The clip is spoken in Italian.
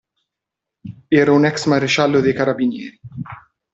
Era un ex-maresciallo dei carabinieri.